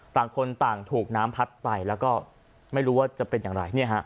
ต่างคนต่างถูกน้ำพัดไปแล้วก็ไม่รู้ว่าจะเป็นอย่างไร